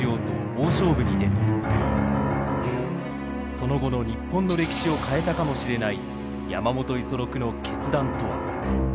その後の日本の歴史を変えたかもしれない山本五十六の決断とは。